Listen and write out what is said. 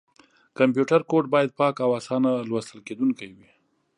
کمپیوټر کوډ باید پاک او اسانه لوستل کېدونکی وي.